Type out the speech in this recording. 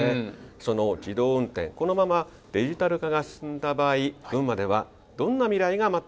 その自動運転このままデジタル化が進んだ場合群馬ではどんな未来が待っているのか？